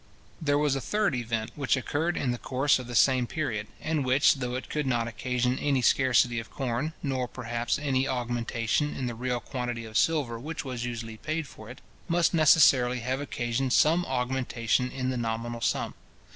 There was a third event which occurred in the course of the same period, and which, though it could not occasion any scarcity of corn, nor, perhaps, any augmentation in the real quantity of silver which was usually paid for it, must necessarily have occasioned some augmentation in the nominal sum.